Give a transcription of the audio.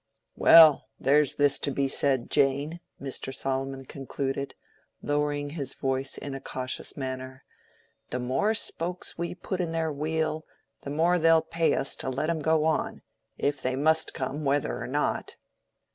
"Well, there's this to be said, Jane," Mr. Solomon concluded, lowering his voice in a cautious manner—"the more spokes we put in their wheel, the more they'll pay us to let 'em go on, if they must come whether or not."